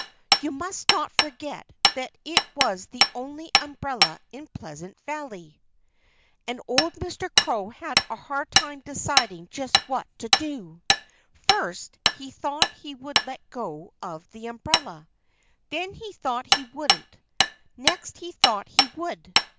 (You must not forget that it was the only umbrella in Pleasant Valley.) Old Mr. Crow had a hard time deciding just what to do. First, he thought he would let go of the umbrella. Then he thought he wouldn't. Next, he thought he would.